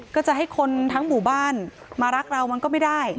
ก็จะให้คนทั้งหมู่บ้านมารักเรามันก็ไม่ได้